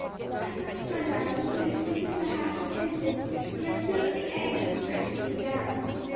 "I must, my darlings; there's business I have to attend to; and I feel that the ague is breaking me down."